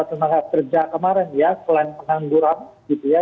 tenaga kerja kemarin ya selain pengangguran gitu ya